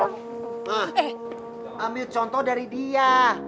ambil contoh dari dia